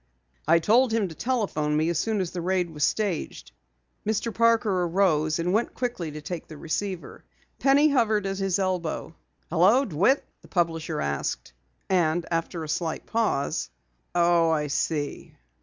"I told him to telephone me as soon as the raid was staged." Mr. Parker arose and went quickly to take the receiver. Penny hovered at his elbow. "Hello! DeWitt?" the publisher asked, and after a slight pause: "Oh, I see.